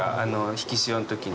引き潮の時に。